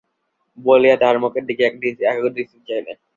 বলিয়া তাহার মুখের দিকে একাগ্রদৃষ্টিতে চাহিলেন।